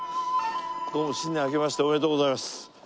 どうも新年あけましておめでとうございます。